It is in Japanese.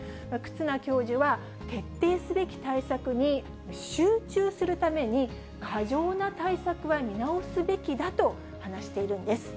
忽那教授は、徹底すべき対策に集中するために、過剰な対策は見直すべきだと話しているんです。